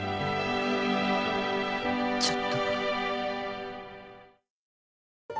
ちょっと。